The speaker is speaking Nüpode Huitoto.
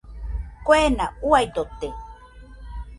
Kuena uaidote.